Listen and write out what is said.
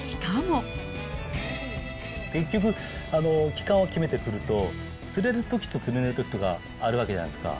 結局、期間を決めて来ると、釣れるときと釣れないときがあるわけじゃないですか。